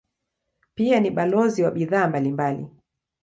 Pia ni balozi wa bidhaa mbalimbali.